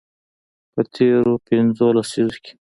په تیرو پنځو لسیزو کې